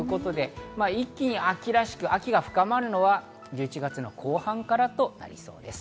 一気に秋らしく、秋が深まるのは１１月の後半からとなりそうです。